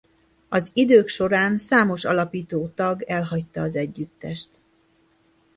Az idők során számos alapító tag elhagyta az együttest.